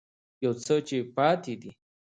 يو څه چې پاتې دي